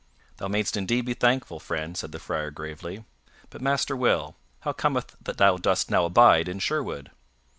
"Thou mayst indeed be thankful, friend," said the Friar gravely. "But, Master Will, how cometh it that thou dost now abide in Sherwood?"